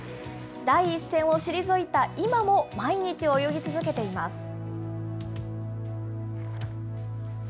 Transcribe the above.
第一線を退いた今も、毎日泳ぎ続けています。